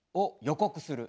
予告する。